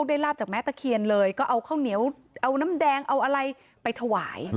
ลาบจากแม่ตะเคียนเลยก็เอาข้าวเหนียวเอาน้ำแดงเอาอะไรไปถวาย